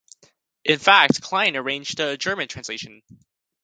In fact, Klein arranged the German translation.